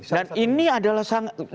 dan ini adalah sangat